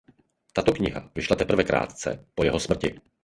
Tato kniha vyšla teprve krátce po jeho smrti.